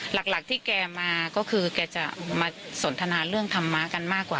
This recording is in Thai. หลักที่แกมาก็คือแกจะมาสนทนาเรื่องธรรมะกันมากกว่า